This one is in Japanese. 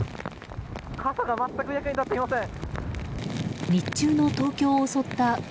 傘が全く役に立っていません。